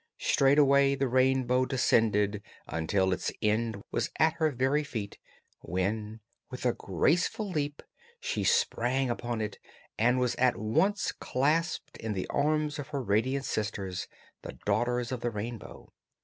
Straightway the Rainbow descended until its end was at her very feet, when with a graceful leap she sprang upon it and was at once clasped in the arms of her radiant sisters, the Daughters of the Rainbow.